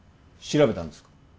調べたんですか？